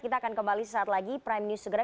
kita akan kembali sesaat lagi prime news segera